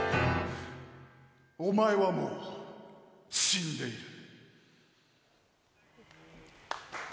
お前はもう死んでいる。